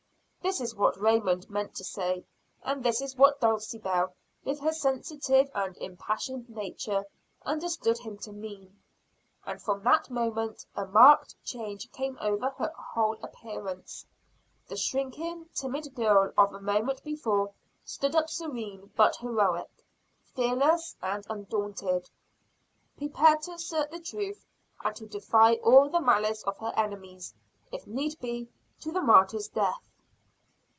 This was what Raymond meant to say; and this is what Dulcibel, with her sensitive and impassioned nature, understood him to mean. And from that moment a marked change came over her whole appearance. The shrinking, timid girl of a moment before stood up serene but heroic, fearless and undaunted; prepared to assert the truth, and to defy all the malice of her enemies, if need be, to the martyr's death.